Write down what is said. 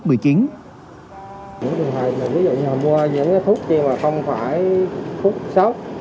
những trường hợp mà mua những thuốc chứ không phải thuốc sốc